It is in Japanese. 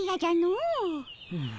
うん？